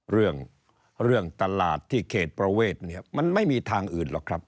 เรื่องเรื่องตลาดที่เขตประเวทเนี่ยมันไม่มีทางอื่นหรอกครับ